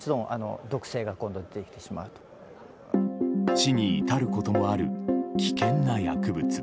死に至ることもある危険な薬物。